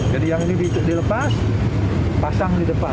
yang ini dilepas pasang di depan